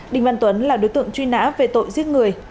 đinh văn tuấn là đối tượng truy nã về tội giết người